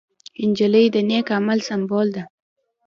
نجلۍ د نېک عمل سمبول ده.